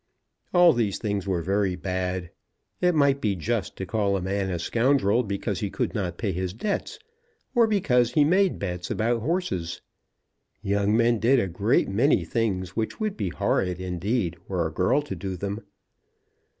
All these things were very bad. It might be just to call a man a scoundrel because he could not pay his debts, or because he made bets about horses. Young men did a great many things which would be horrid indeed were a girl to do them.